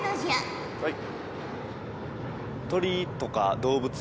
はい。